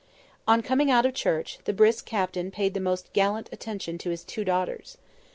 On coming out of church, the brisk Captain paid the most gallant attention to his two daughters.